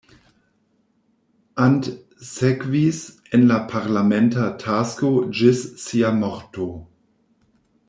And sekvis en la parlamenta tasko ĝis sia morto.